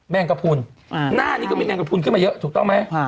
งกระพุนหน้านี้ก็มีแมงกระพุนขึ้นมาเยอะถูกต้องไหม